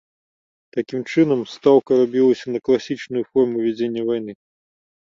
Такім чынам, стаўка рабілася на класічную форму вядзення вайны.